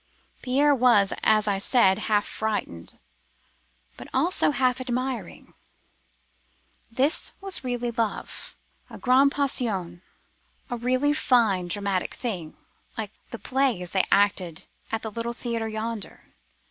"Pierre was, as I said, half frightened; but also half admiring. This was really love—a 'grande passion,'—a really fine dramatic thing,—like the plays they acted at the little theatre yonder.